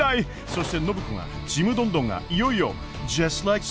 そして暢子がちむどんどんがいよいよ。